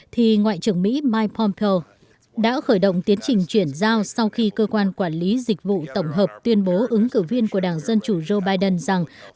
thì ngoại trưởng mỹ mike pompeo đã khởi động tiến trình chuyển giao sau khi cơ quan quản lý dịch vụ tổng hợp tuyên bố ứng cử viên của đảng dân chủ joe biden rằng